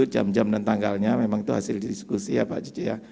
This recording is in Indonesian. jam jam dan tanggalnya memang itu hasil diskusi ya pak cici ya